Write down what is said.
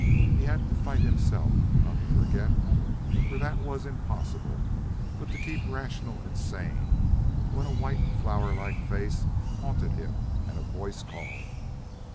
He had to fight himself not to forget, for that was impossible but to keep rational and sane when a white flower like face haunted him and a voice called.